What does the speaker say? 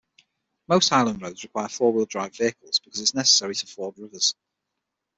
Most highland roads require four-wheel drive vehicles, because it is necessary to ford rivers.